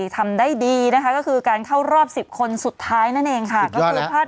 ทำได้ดีนะคะก็คือการเท่ารอบ๑๐คนสุดท้ายนั่นเองค่ะ